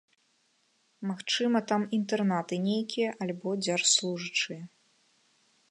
Магчыма, там інтэрнаты нейкія, альбо дзяржслужачыя.